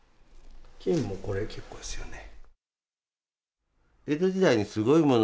金もこれ結構ですよね。